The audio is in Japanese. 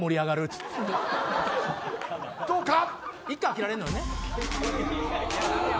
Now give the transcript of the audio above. どうか。